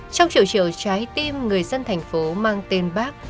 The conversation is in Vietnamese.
trong triệu triệu trái tim người dân thành phố mang tên bác